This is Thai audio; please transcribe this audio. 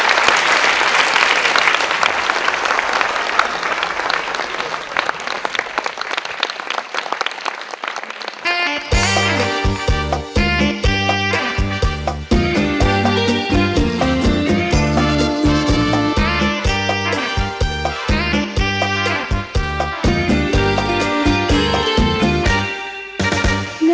และเป็นสะดวกใหม่